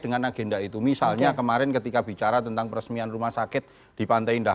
dengan agenda itu misalnya kemarin ketika bicara tentang peresmian rumah sakit di pantai indah